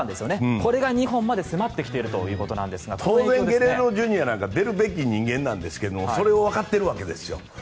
これが２本まで迫ってきているということなんですが当然ゲレーロＪｒ．なんか出るべき人間なんですがそれをわかっているわけですよ。